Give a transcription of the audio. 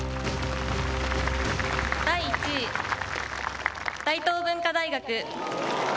第１位、大東文化大学。